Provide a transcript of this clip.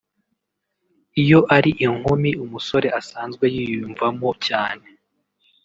Iyo ari inkumi umusore asanzwe yiyunva mo cyane